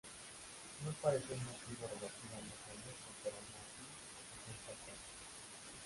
No parecía un motivo relativamente honesto pero aún así acepta el caso.